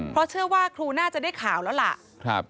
เพราะเชื่อว่าครูน่าจะได้ข่าวแล้วล่ะ